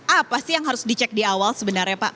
apa sih yang harus dicek di awal sebenarnya pak